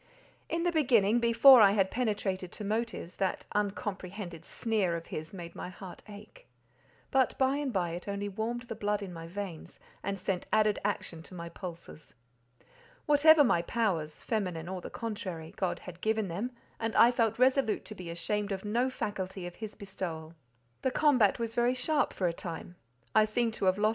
In the beginning, before I had penetrated to motives, that uncomprehended sneer of his made my heart ache, but by and by it only warmed the blood in my veins, and sent added action to my pulses. Whatever my powers—feminine or the contrary—God had given them, and I felt resolute to be ashamed of no faculty of his bestowal. The combat was very sharp for a time. I seemed to have lost M.